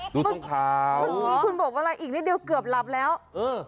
เมื่อกี้คุณบอกว่าอะไรอีกเล่นครั้งเดียวเกือบหลับแล้วเหรอ